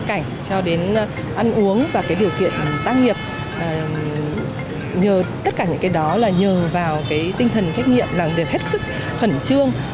cho đến ăn uống và điều kiện tác nghiệp tất cả những cái đó là nhờ vào tinh thần trách nhiệm làm việc hết sức khẩn trương